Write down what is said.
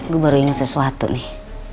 gue baru inget sesuatu nih